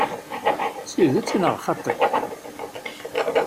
D tidet neɣ xaṭi?